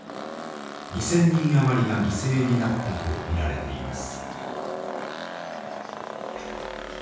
２，０００人余りが犠牲になったと見られています。